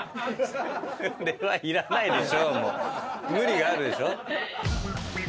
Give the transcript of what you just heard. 無理があるでしょ。